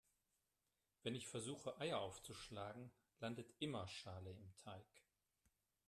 Wenn ich versuche Eier aufzuschlagen, landet immer Schale im Teig.